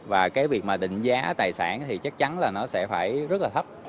và cái việc mà định giá tài sản thì chắc chắn là nó sẽ phải rất là thấp